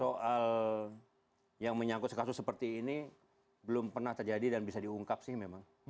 soal yang menyangkut kasus seperti ini belum pernah terjadi dan bisa diungkap sih memang